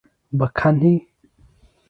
But can he?